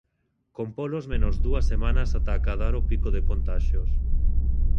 Con polos menos dúas semanas ata acadar o pico de contaxios.